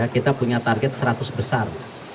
kita punya target seratus besar